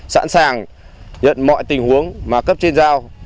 sẵn sàng nhận mọi tình huống mà cấp trên giao